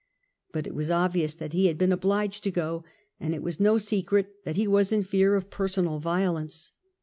But it was obvious that he had been obliged to go, and it was no secret that he was in fear of personal violence.